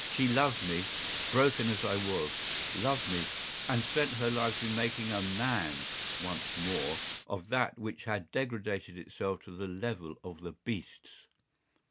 She loved me, broken as I was, loved me, and spent her life in making a man once more of that which had degraded itself to the level of the beasts.